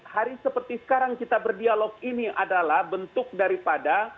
hari seperti sekarang kita berdialog ini adalah bentuk daripada